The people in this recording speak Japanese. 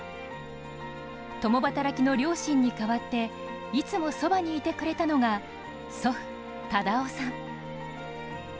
共働きの両親に代わっていつもそばにいてくれたのが祖父・忠雄さん。